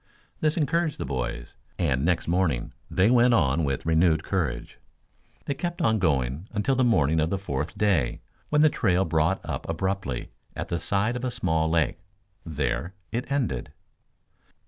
This encouraged the boys, and next morning they went on with renewed courage. They kept on going until the morning of the fourth day when the trail brought up abruptly at the side of a small lake. There it ended.